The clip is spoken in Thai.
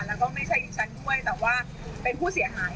แล้วก็ไม่ใช่ดิฉันด้วยแต่ว่าเป็นผู้เสียหาย